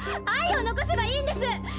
愛を残せばいいんです！